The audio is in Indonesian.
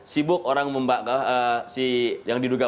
sibuk orang yang diduga